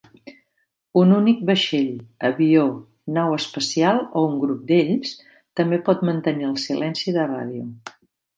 Un únic vaixell, avió, nau espacial o un grup d'ells també pot mantenir el silenci de ràdio.